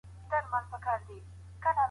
که تور وي يا سپين، د پناه په حق کي برابر دي.